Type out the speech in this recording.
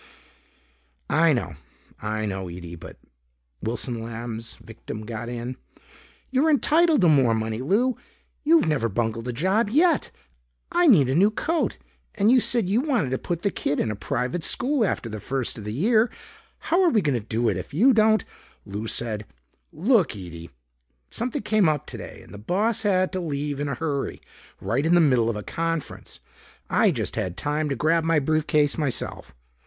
"I know, I know, Ede but " Wilson Lamb's victim got in. "You're entitled to more money, Lou! You've never bungled a job yet. I need a new coat. And you said you wanted to put the kid in a private school after the first of the year. How're we gonna do it if you don't " Lou said, "Look, Ede! Something came up today and the boss had to leave in a hurry right in the middle of a conference. I just had time to grab my briefcase myself.